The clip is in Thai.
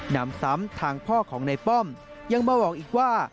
นำซ้ำทางพ่อของในป้อมยังมาบอกอีกว่า